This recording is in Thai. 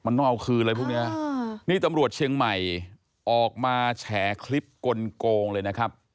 มันต้องเอาคืนอะไรพวกนี้นี่ตำรวจเชียงใหม่ออกมาแฉคลิปกลงเลยนะครับ